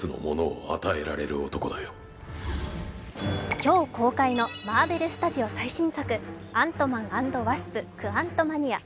今日公開のマーベルスタジオ最新作「アントマン＆ワスプ：クアントマニア」。